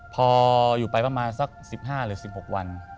พออยู่ไปประมาณสัก๑๕หรือ๑๖วัน